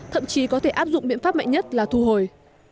thậm chí có thể áp dụng biện pháp mạnh nhất là thu hồi